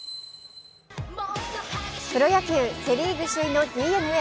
プロ野球セ・リーグ首位のＤｅＮＡ。